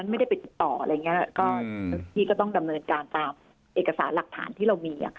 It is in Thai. นักศึกษีก็ต้องดำเนินการตามเอกสารหลักฐานที่เรามี